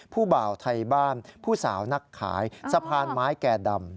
บ่าวไทยบ้านผู้สาวนักขายสะพานไม้แก่ดำ